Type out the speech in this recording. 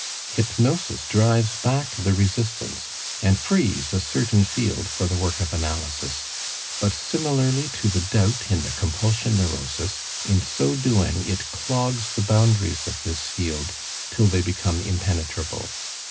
Hypnosis drives back the resistance and frees a certain field for the work of analysis, but similarly to the doubt in the compulsion neurosis, in so doing it clogs the boundaries of this field till they become impenetrable.